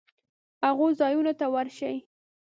هغو ځایونو ته ورشي